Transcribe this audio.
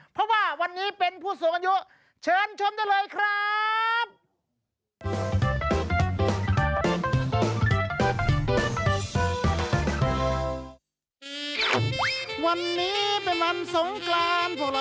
เพราะว่าวันนี้เป็นผู้สูงอายุ